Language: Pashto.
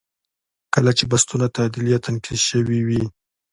کله چې بستونه تعدیل یا تنقیض شوي وي.